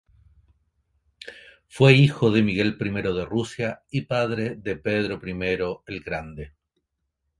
Fue hijo de Miguel I de Rusia y padre de Pedro I el Grande.